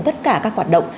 tất cả các hoạt động